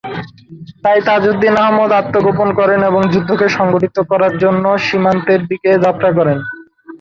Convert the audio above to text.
তাই তাজউদ্দীন আহমদ আত্মগোপন করেন এবং যুদ্ধকে সংগঠিত করার জন্য সীমান্তের দিকে যাত্রা করেন।